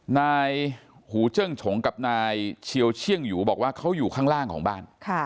นายหูเจิ้งฉงกับนายเชียวเชื่องหยูบอกว่าเขาอยู่ข้างล่างของบ้าน